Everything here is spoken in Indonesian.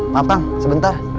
maaf kang sebentar